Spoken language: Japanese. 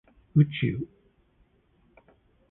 宇宙